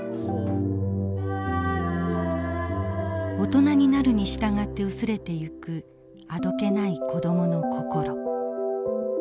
大人になるに従って薄れていくあどけない子どもの心。